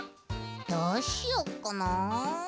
どうしよっかな。